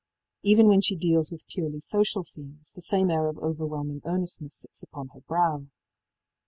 Even when she deals with purely social themes the same air of overwhelming earnestness sits upon her brow.